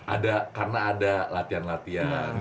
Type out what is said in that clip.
ada karena ada latihan latihan